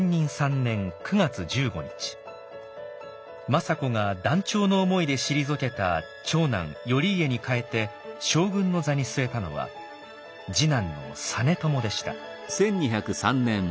政子が断腸の思いで退けた長男頼家に代えて将軍の座に据えたのは次男の実朝でした。